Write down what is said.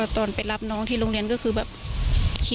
โทรไปถามว่าแม่ช่วยด้วยถูกจับ